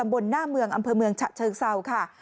บนหน้าเมืองอำเภอเมืองฉะเชิงเศร้าค่ะ